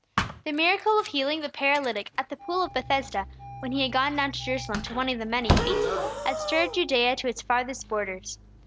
The miracle of healing the paralytic at the pool of Bethesda, when he had gone down to Jerusalem to one of the many feasts, had stirred Judea to its farthest borders.